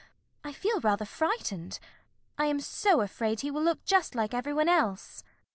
I feel rather frightened. I am so afraid he will look just like every one else.